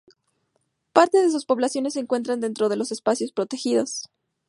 Parte de sus poblaciones se encuentran dentro de espacios protegidos.